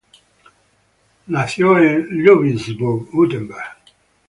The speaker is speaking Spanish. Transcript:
Nació en Ludwigsburg, Württemberg.